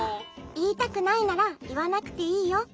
「いいたくないならいわなくていいよ。